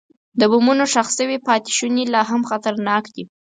د بمونو ښخ شوي پاتې شوني لا هم خطرناک دي.